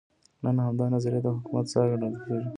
نن همدا نظریه د حکومت ساه ګڼل کېږي.